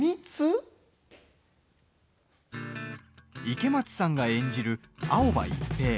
池松さんが演じる青葉一平。